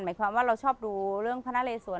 หมายความว่าเราชอบดูเรื่องพระนาเลสวร